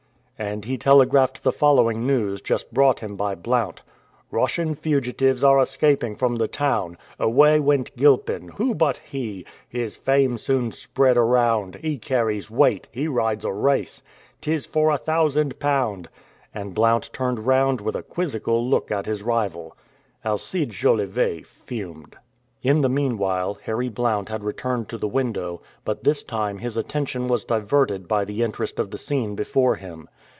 And he telegraphed the following news, just brought him by Blount: "Russian fugitives are escaping from the town. 'Away went Gilpin who but he? His fame soon spread around: He carries weight! he rides a race! 'Tis for a thousand pound!'" And Blount turned round with a quizzical look at his rival. Alcide Jolivet fumed. In the meanwhile Harry Blount had returned to the window, but this time his attention was diverted by the interest of the scene before him.